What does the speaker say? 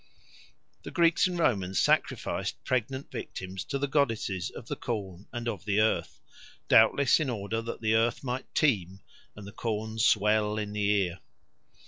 The Greeks and Romans sacrificed pregnant victims to the goddesses of the corn and of the earth, doubtless in order that the earth might teem and the corn swell in the ear.